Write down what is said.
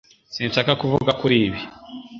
Sinshaka kuvuga kuri ibi